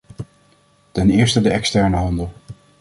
Ten eerste de externe handel.